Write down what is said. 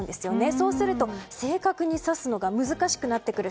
そうすると、正確に指すのが難しくなってくる。